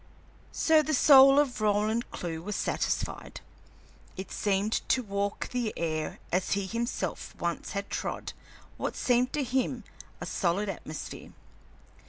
So the soul of Roland Clewe was satisfied; it seemed to walk the air as he himself once had trod what seemed to him a solid atmosphere.